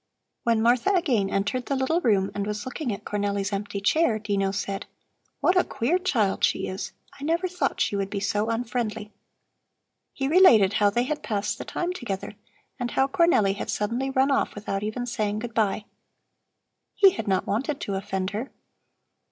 When Martha again entered the little room and was looking at Cornelli's empty chair, Dino said: "What a queer child she is. I never thought she would be so unfriendly." He related how they had passed the time together and how Cornelli had suddenly run off without even saying good bye. He had not wanted to offend her.